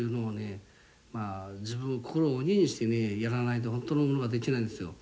まあ自分心を鬼にしてねやらないと本当のものが出来ないんですよ。